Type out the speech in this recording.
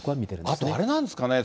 あとあれなんですかね。